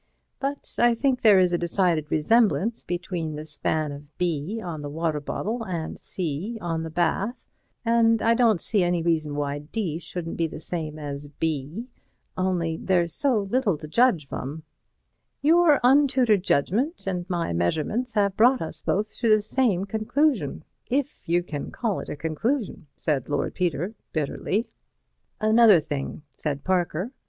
But I think there is a decided resemblance between the span of B on the water bottle and C on the bath. And I don't see any reason why D shouldn't be the same as B, only there's so little to judge from." "Your untutored judgment and my measurements have brought us both to the same conclusion—if you can call it a conclusion," said Lord Peter, bitterly. "Another thing," said Parker.